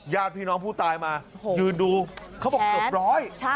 ยืนดูเขาบอกเกือบร้อย